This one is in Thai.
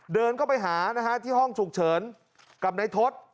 เดินเข้าไปหานะฮะที่ห้องฉุกเฉินกับนายทศ